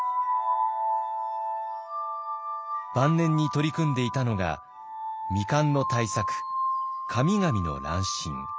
晩年に取り組んでいたのが未完の大作「神々の乱心」。